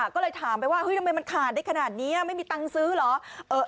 ก็เลยถามไปว่าเฮ้ยทำไมมันขาดได้ขนาดนี้ไม่มีตังค์ซื้อเหรอ